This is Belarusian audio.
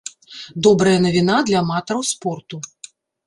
Добрая навіна для аматараў спорту.